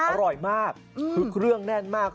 หรือร้อยมากซึ่งเครื่องนานมาก